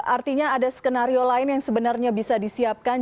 artinya ada skenario lain yang sebenarnya bisa disiapkan